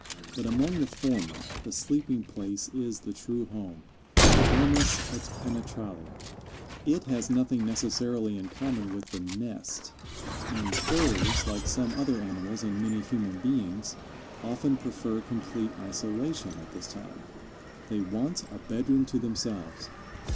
But among the former the sleeping place is the true home, the domus et penetralia. It has nothing necessarily in common with the nest, and birds, like some other animals and many human beings, often prefer complete isolation at this time. They want a bedroom to themselves.